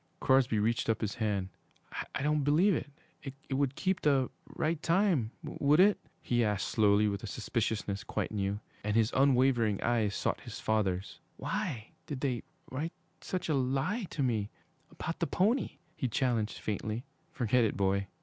Crosby reached up his hand. 'I don't believe it would keep the right time would it?' he asked slowly, with a suspiciousness quite new. And his unwavering eyes sought his father's. 'Why did they write such a lie to me about the pony?' he challenged faintly. 'Forget it, boy!'